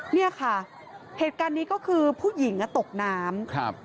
เนี่ยค่ะเหตุการณ์นี้ก็คือผู้หญิงตกน้ำครับ